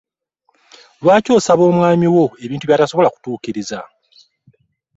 Lwaki osaba omwami wo ebintu byatasobola kutukiriza?